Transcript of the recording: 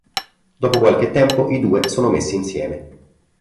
Dopo qualche tempo i due sono messi insieme.